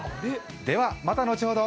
では、また後ほど！